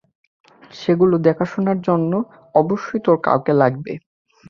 সেগুলো দেখাশোনার জন্য অবশ্যই তোর কাউকে লাগবে!